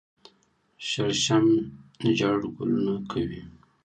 شړشم ژیړ ګلونه کوي